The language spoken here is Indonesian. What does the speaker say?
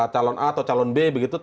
calon a atau calon b begitu